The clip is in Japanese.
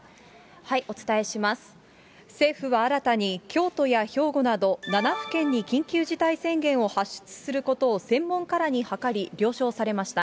政府は新たに京都や兵庫など、７府県に緊急事態宣言を発出することを専門家らに諮り、了承されました。